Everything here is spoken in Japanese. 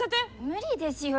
無理ですよ